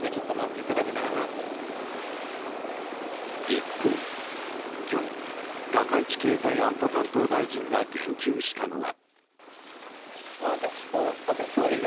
一方、今日高市経済安保担当大臣が言及したのは。